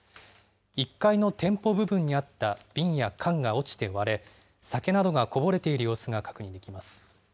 １階の店舗部分にあった瓶や缶が落ちて割れ、酒などがこぼれている様子が確認できます。